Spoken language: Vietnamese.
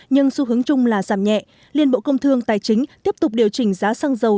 nhưng xu hướng chung là giảm nhẹ liên bộ công thương tài chính tiếp tục điều chỉnh giá xăng dầu